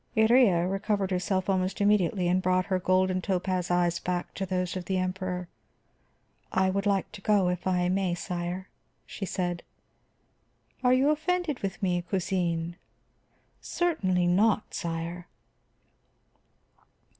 Iría recovered herself almost immediately and brought her gold and topaz eyes back to those of the Emperor. "I would like to go, if I may, sire," she said. "Are you offended with me, cousine?" "Certainly not, sire."